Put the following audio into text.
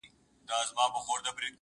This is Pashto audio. جګړه نښتې په سپین سبا ده.!